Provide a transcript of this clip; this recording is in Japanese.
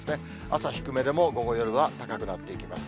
朝低めでも、午後、夜は高くなっていきます。